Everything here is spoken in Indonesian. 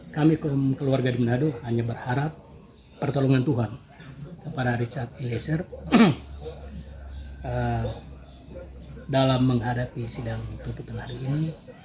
kami keluarga di manado hanya berharap pertolongan tuhan kepada richard eliezer dalam menghadapi sidang tuntutan hari ini